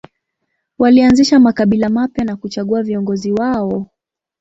Walianzisha makabila mapya na kuchagua viongozi wao.